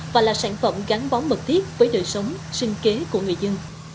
và là sản phẩm gắn bó mật thiết với đời sống sinh kế của người dân